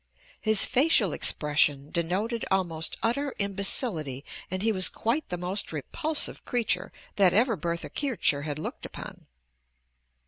His facial expression denoted almost utter imbecility and he was quite the most repulsive creature that ever Bertha Kircher had looked upon.